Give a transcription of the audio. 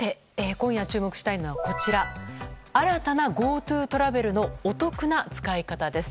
今夜注目したいのは、こちら新たなＧｏＴｏトラベルのお得な使い方です。